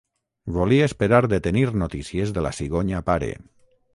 Volia esperar de tenir notícies de la cigonya pare.